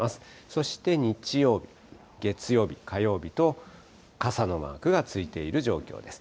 そして日曜日、月曜日、火曜日と、傘のマークがついている状況です。